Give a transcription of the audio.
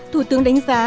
thủ tướng đánh giá